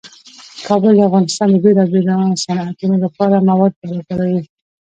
کابل د افغانستان د بیلابیلو صنعتونو لپاره مواد برابروي.